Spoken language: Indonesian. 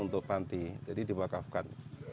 untuk panti jadi dimakafkan